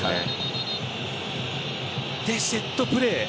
セットプレー。